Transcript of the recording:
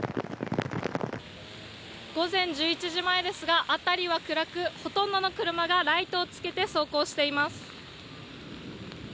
午前１１時前ですが、辺りは暗く、ほとんどの車がライトをつけて走行しています。